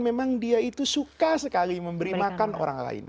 memang dia itu suka sekali memberi makan orang lain